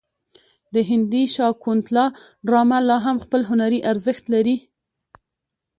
د هندي شاکونتالا ډرامه لا هم خپل هنري ارزښت لري.